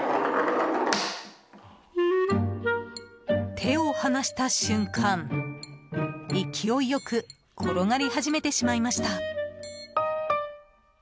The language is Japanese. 手を離した瞬間、勢いよく転がり始めてしまいました。